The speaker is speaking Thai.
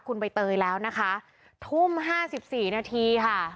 คุณใบเตยแล้วนะคะทุ่มห้าสิบสี่นาทีค่ะ